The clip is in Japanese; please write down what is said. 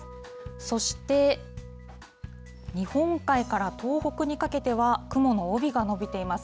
そして日本海から東北にかけては、雲の帯が延びています。